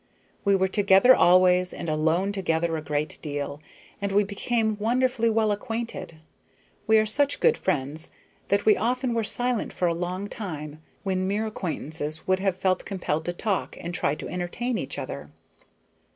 We were together always, and alone together a great deal; and we became wonderfully well acquainted. We are such good friends that we often were silent for a long time, when mere acquaintances would have felt compelled to talk and try to entertain each other.